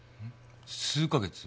数か月？